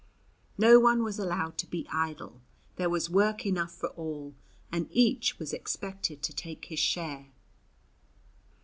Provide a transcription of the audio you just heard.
No one was allowed to be idle, there was work enough for all, and each was expected to take his share.